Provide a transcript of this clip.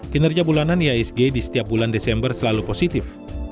kinerja bulanan iisg di setiap bulan desember selalu positif